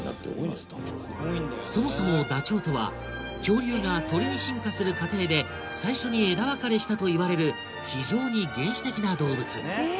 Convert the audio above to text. すごいねダチョウってそもそもダチョウとは恐竜が鳥に進化する過程で最初に枝分かれしたといわれる非常に原始的な動物え